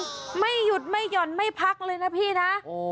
ไม่หยุดไม่หย่อนไม่พักเลยนะพี่นะ